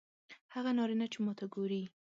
هغه نارینه چې ماته ګوري